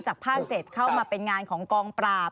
ภาค๗เข้ามาเป็นงานของกองปราบ